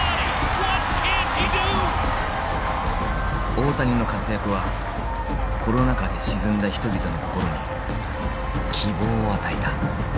大谷の活躍はコロナ禍で沈んだ人々の心に希望を与えた。